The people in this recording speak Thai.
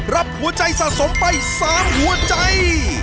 รับหัวใจสะสมไป๓หัวใจ